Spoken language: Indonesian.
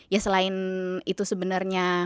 ya selain itu sebenernya